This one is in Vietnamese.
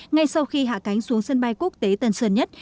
ngay sau khi hạ cánh xuống sân bay quốc tế tân sơn nhất